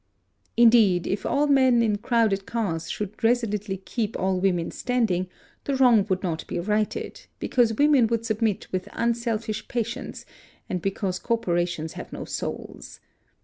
Indeed, if all men in crowded cars should resolutely keep all women standing, the wrong would not be righted, because women would submit with unselfish patience, and because corporations have no souls.